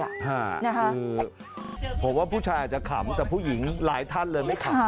คือผมว่าผู้ชายอาจจะขำแต่ผู้หญิงหลายท่านเลยไม่ขำ